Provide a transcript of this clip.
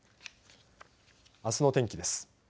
あすの天気です。